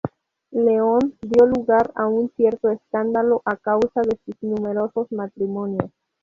León dio lugar a un cierto escándalo a causa de sus numerosos matrimonios.